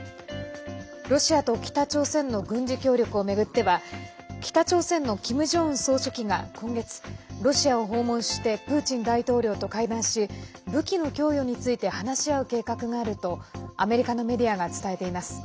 ロシアと北朝鮮の軍事協力を巡っては北朝鮮のキム・ジョンウン総書記が今月、ロシアを訪問してプーチン大統領と会談し武器の供与について話し合う計画があるとアメリカのメディアが伝えています。